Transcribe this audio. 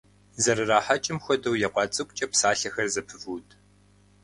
ЗэрырахьэкӀым хуэдэу екъуа цӀыкӀукӏэ псалъэхэр зэпывуд.